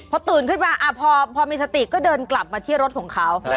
พอตื่นขึ้นมาพอมีสติก็เดินกลับมาที่รถของเขา